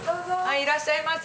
いらっしゃいませ。